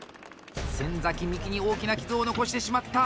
先崎、幹に大きな傷を残してしまった。